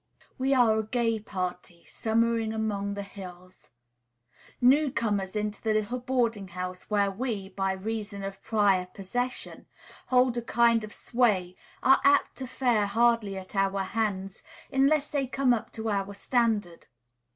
We are a gay party, summering among the hills. New comers into the little boarding house where we, by reason of prior possession, hold a kind of sway are apt to fare hardly at our hands unless they come up to our standard.